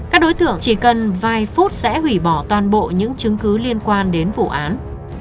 các đối tượng chỉ cần vài phút sẽ hủy bỏ toàn bộ những chứng cứ liên quan đến vụ án